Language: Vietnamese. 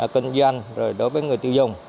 kinh doanh đối với người tiêu dùng